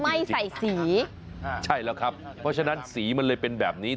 ไม่ใส่สีใช่แล้วครับเพราะฉะนั้นสีมันเลยเป็นแบบนี้